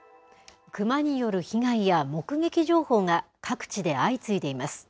クマによる被害や目撃情報が各地で相次いでいます。